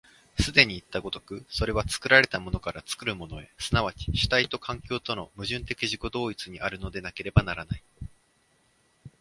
既にいった如く、それは作られたものから作るものへ、即ち主体と環境との矛盾的自己同一にあるのでなければならない。